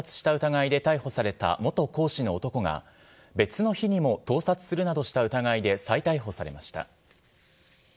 大手中学受験塾、四谷大塚の教え子を盗撮した疑いで逮捕された元講師の男が、別の日にも盗撮するなどした疑いで再逮捕されました。